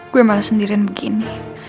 gue malah sendirian begini